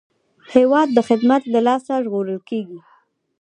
هېواد د خدمت له لاسه ژغورل کېږي.